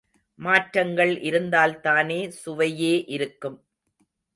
மாற்றங்கள் இருந்தால்தானே சுவையே இருக்கும்.